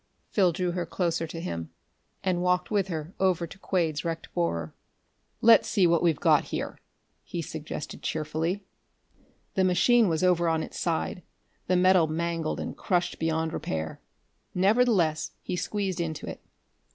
Phil drew her closer to him, and walked with her over to Quade's wrecked borer. "Let's see what we've got here," he suggested cheerfully. The machine was over on its side, the metal mangled and crushed beyond repair. Nevertheless, he squeezed into it.